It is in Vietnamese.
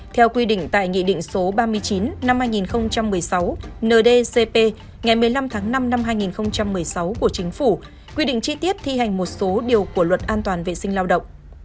theo quy định tại nghị định số ba mươi chín năm hai nghìn một mươi sáu ndcp ngày một mươi năm tháng năm năm hai nghìn một mươi sáu của chính phủ quy định chi tiết thi hành một số điều của luật an toàn vệ sinh lao động